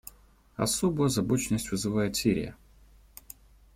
Особую озабоченность вызывает Сирия.